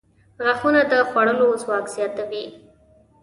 • غاښونه د خوړلو ځواک زیاتوي.